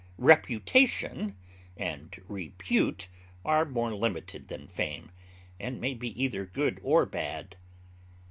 Reputation and repute are more limited than fame, and may be either good or bad.